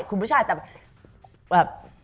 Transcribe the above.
คุณผู้ชายแบบ